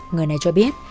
người này cho biết